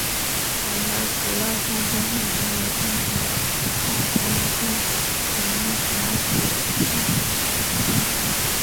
两条主要乡村上白泥村及下白泥村均辖属厦村乡。